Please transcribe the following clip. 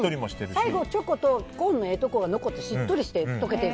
最後、チョコとコーンのええとこが残ってしっとりして溶けていく。